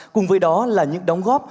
cùng với đó là những đóng góp